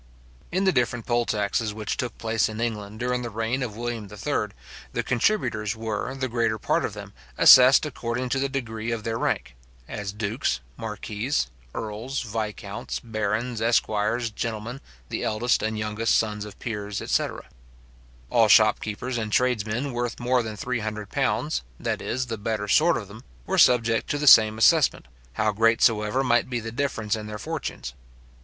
In the different poll taxes which took place in England during the reign of William III. the contributors were, the greater part of them, assessed according to the degree of their rank; as dukes, marquises, earls, viscounts, barons, esquires, gentlemen, the eldest and youngest sons of peers, etc. All shop keepers and tradesmen worth more than three hundred pounds, that is, the better sort of them, were subject to the same assessment, how great soever might be the difference in their fortunes.